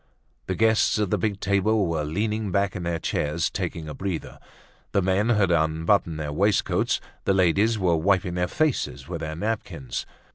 The guests at the big table were leaning back in their chairs taking a breather. The men had unbuttoned their waistcoats, the ladies were wiping their faces with their napkins.